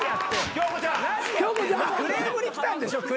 京子ちゃん！クレームに来たんでしょ？